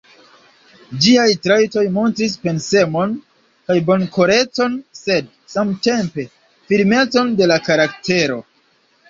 Ĝiaj trajtoj montris pensemon kaj bonkorecon, sed, samtempe, firmecon de la karaktero.